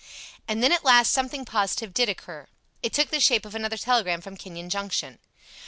And then at last something positive did occur. It took the shape of another telegram from Kenyon Junction.